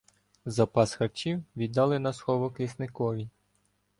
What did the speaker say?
Запас харчів віддали на сховок лісникові.